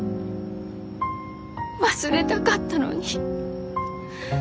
忘れたかったのに。